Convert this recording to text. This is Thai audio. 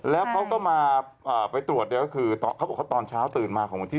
แล้วเขาก็มาไปตรวจเขาบอกว่าตอนเช้าตื่นมาของวันที่๑๒